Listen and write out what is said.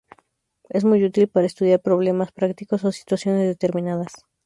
Es muy útil para estudiar problemas prácticos o situaciones determinadas.